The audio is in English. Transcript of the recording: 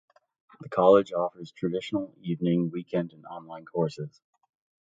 The college offers traditional, evening, weekend and online courses.